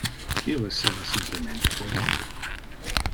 Io esseva simplemente polite.